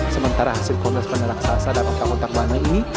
sementara hasil kontes bandeng raksasa dan otak otak bandeng ini